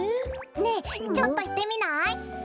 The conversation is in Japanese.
ねえちょっといってみない？